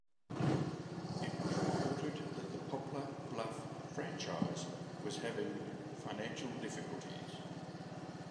It was reported that the Poplar Bluff franchise was having financial difficulties.